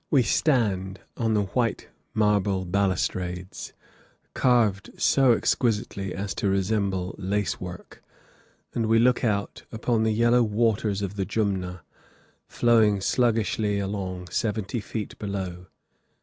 We stand on the white marble balustrades, carved so exquisitely as to resemble lace work, and we look out upon the yellow waters of the Jumna, flowing sluggishly along seventy feet below.